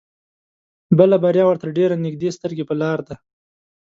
بله بريا ورته ډېر نيږدې سترګې په لار ده.